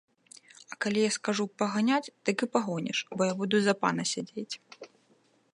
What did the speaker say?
А калі я скажу паганяць, дык і пагоніш, бо я буду за пана сядзець!